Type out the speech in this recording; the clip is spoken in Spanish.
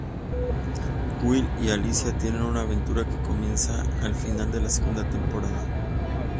Will y Alicia tienen una aventura que comienza al final de la segunda temporada.